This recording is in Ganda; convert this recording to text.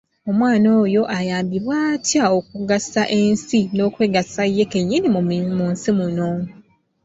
Omwana oyo ayambibwe atya okugasa ensi n’okwegasa ye kennyini mu nsi muno?